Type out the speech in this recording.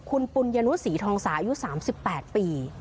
คุณปุญญนุศรีทองสาอายุ๓๘ปี